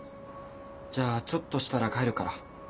じゃあちょっとしたら帰るから。